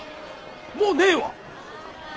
もうねえわ！